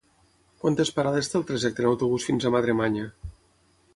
Quantes parades té el trajecte en autobús fins a Madremanya?